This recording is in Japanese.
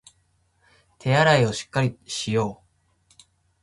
手洗いをしっかりしよう